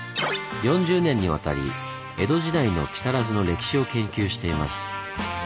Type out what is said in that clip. ４０年にわたり江戸時代の木更津の歴史を研究しています。